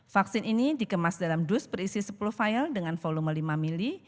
vaksin ini dikemas dalam dus berisi sepuluh file dengan volume lima mili